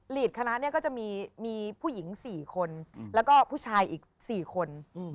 คณะเนี่ยก็จะมีผู้หญิง๔คนแล้วก็ผู้ชายอีก๔คน